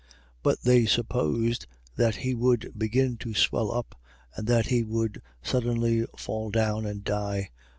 28:6. But they supposed that he would begin to swell up and that he would suddenly fall down and die.